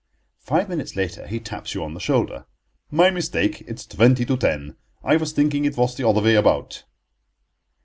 Five minutes later he taps you on the shoulder. "My mistake, it's twenty to ten. I was thinking it was the other way about."